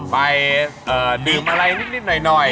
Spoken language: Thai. ไปดื่มอะไรนิดหน่อย